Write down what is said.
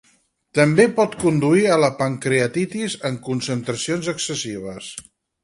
També pot conduir a la pancreatitis en concentracions excessives.